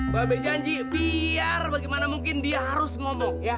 babe janji biar bagaimana mungkin dia harus ngomong